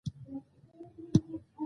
باسواده نجونې د ټولګي اول نمره کیږي.